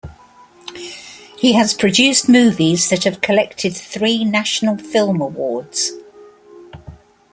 He has produced movies that have collected three National Film Awards.